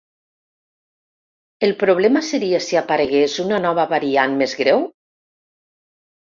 El problema seria si aparegués una nova variant més greu?